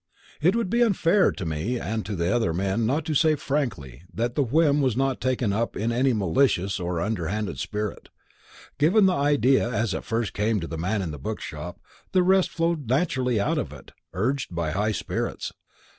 "It would be unfair to me and to the other men not to say frankly that the whim was not taken up in any malicious or underhand spirit. Given the idea as it first came to the man in the bookshop, the rest flowed naturally out of it, urged by high spirits.